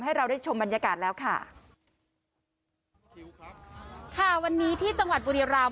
เราได้ชมบรรยากาศแล้วค่ะวันนี้ที่จังหวัดบุรีรำ